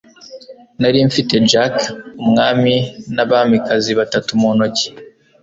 Nari mfite jack, umwami n'abamikazi batatu mu ntoki.